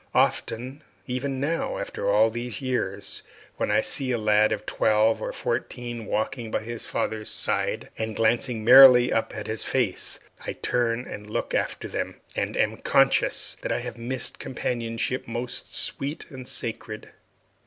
Often, even now, after all these years, when I see a lad of twelve or fourteen walking by his father's side, and glancing merrily up at his face, I turn and look after them, and am conscious that I have missed companionship most sweet and sacred.